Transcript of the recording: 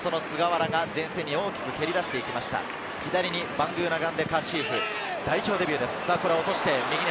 バングーナガンデ佳史扶、代表デビューです。